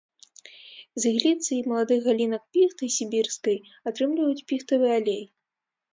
З ігліцы і маладых галінак піхты сібірскай атрымліваюць піхтавы алей.